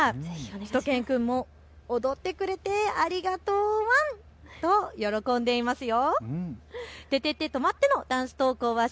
しゅと犬くんも踊ってくれてありがとうワンと喜んでいますよ。